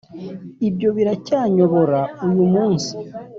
ibyo biracyanyobora uyu munsi